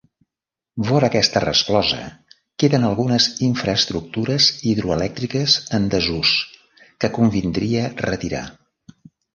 Vora aquesta resclosa queden algunes infraestructures hidroelèctriques en desús, que convindria retirar.